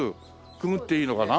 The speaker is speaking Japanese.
くぐっていいのかな？